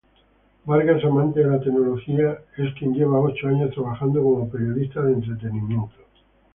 Vargas amante de la tecnología, quien lleva ocho años trabajando como periodista de entretenimiento.